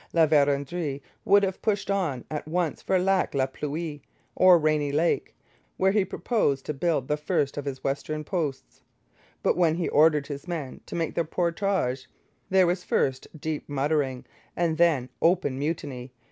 La Vérendrye would have pushed on at once for Lac la Pluie, or Rainy Lake, where he purposed to build the first of his western posts, but when he ordered his men to make the portage there was first deep muttering, and then open mutiny.